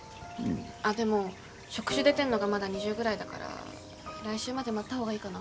あっでも触手出てんのがまだ２０ぐらいだから来週まで待った方がいいかな。